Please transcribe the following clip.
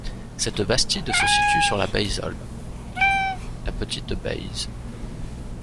Cette bastide se situe sur la Baïsole, la Petite Baïse.